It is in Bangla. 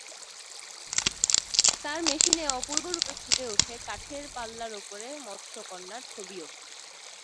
তাঁর মেশিনে অপূর্ব রূপে ফুটে ওঠে কাঠের পাল্লার ওপরে মৎস্যকন্যার ছবিও।